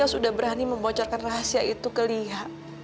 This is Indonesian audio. yos udah berani membocorkan rahasia itu ke lia